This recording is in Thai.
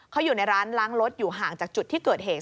เขาอยู่ในร้านล้างรถอยู่ห่างจากจุดที่เกิดเหตุ